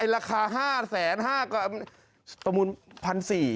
ราคา๕๕๐๐ประมูล๑๔๐๐บาท